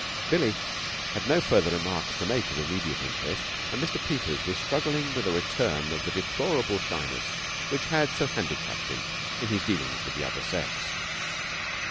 Billie had no further remarks to make of immediate interest, and Mr. Peters was struggling with a return of the deplorable shyness which so handicapped him in his dealings with the other sex.